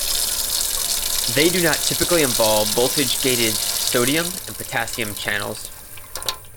They do not typically involve voltage-gated sodium and potassium channels.